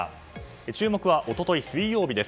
注目は、一昨日水曜日です。